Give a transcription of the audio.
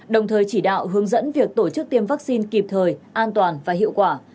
đồng thời chỉ đạo hướng dẫn việc tổ chức tiêm vaccine kịp thời an toàn và hiệu quả